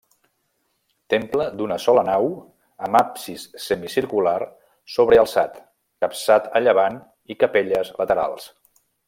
Temple d'una sola nau amb absis semicircular sobrealçat capçat a llevant i capelles laterals.